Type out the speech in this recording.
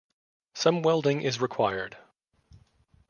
Some welding is required.